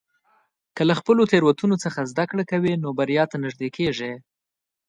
که له خپلو تېروتنو څخه زده کړه کوې، نو بریا ته نږدې کېږې.